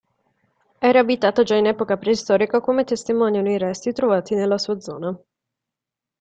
Era abitata già in epoca preistorica come testimoniano i resti trovati nella sua zona.